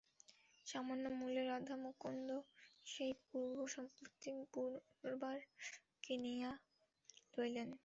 সামান্য মূল্যে রাধামুকুন্দ সেই পূর্ব সম্পত্তি পুনর্বার কিনিয়া লইলেন।